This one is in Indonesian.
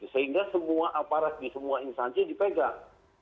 sehingga semua aparat di semua instansi dipegang